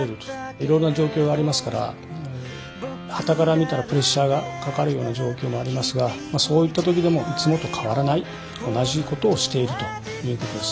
いろいろな状況がありますからはたから見たらプレッシャーがかかるような状況もありますがそういった時でもいつもと変わらない同じことをしているということです。